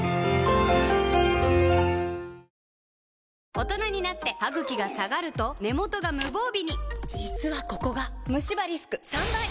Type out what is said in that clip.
大人になってハグキが下がると根元が無防備に実はここがムシ歯リスク３倍！